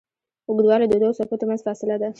اوږدوالی د دوو څپو تر منځ فاصله ده.